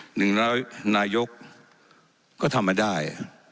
หนึ่งร้อยนายกก็ทำไม่ได้